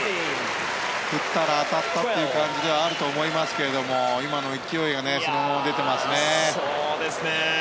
振ったら当たったという感じではあると思いますけれども今の勢いがそのまま出ていますね。